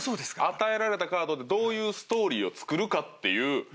与えられたカードでどういうストーリーを作るかっていう。